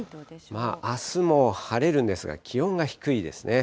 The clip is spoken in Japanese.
あすも晴れるんですが、気温が低いですね。